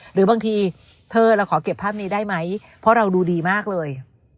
หรือบางทีเธอเราขอเก็บภาพนี้ได้ไหมเพราะเราดูดีมากเลย